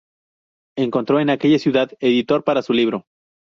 Encontró en aquella ciudad editor para su libro.